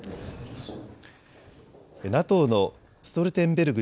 ＮＡＴＯのストルテンベルグ